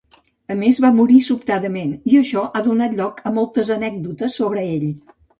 A més va morir sobtadament, i això ha donat lloc a moltes anècdotes sobre ell.